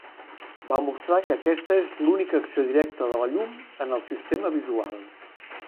Va mostrar que aquesta és l'única acció directa de la llum en el sistema visual.